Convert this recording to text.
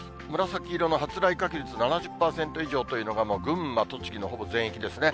紫色の発雷確率７０％以上というのが、もう群馬、栃木のほぼ全域ですね。